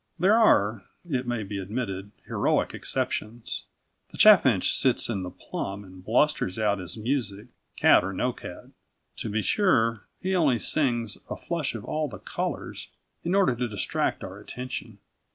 There are, it may be admitted, heroic exceptions. The chaffinch sits in the plum and blusters out his music, cat or no cat. To be sure, he only sings, a flush of all the colours, in order to distract our attention.